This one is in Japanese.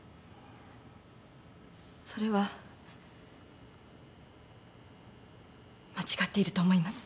それは間違っていると思います。